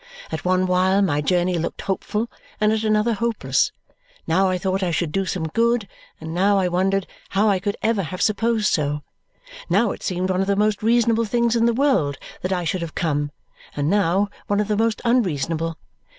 At one while my journey looked hopeful, and at another hopeless. Now I thought I should do some good, and now I wondered how I could ever have supposed so. Now it seemed one of the most reasonable things in the world that I should have come, and now one of the most unreasonable.